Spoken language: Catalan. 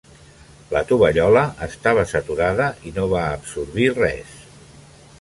La tovallola estava saturada i no va absorbir res.